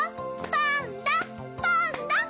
パンダパンダ！